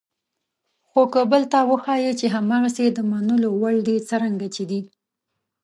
خو که بل ته وښایئ چې هماغسې د منلو وړ دي څرنګه چې دي.